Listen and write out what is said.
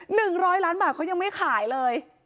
หนึ่งร้อยล้านบาทเขายังไม่ขายเลย